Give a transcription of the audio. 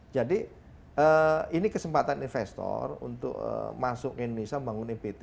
jadi ini kesempatan investor untuk masuk indonesia membangun ebt